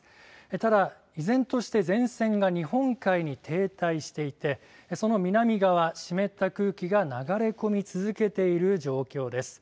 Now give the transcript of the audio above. ただ、依然として前線が日本海に停滞していてその南側、湿った空気が流れ込み続けている状況です。